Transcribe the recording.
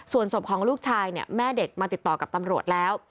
ส่วนศพของลูกชายเนี่ยแม่เด็กมาติดต่อกับตำรวจแล้ว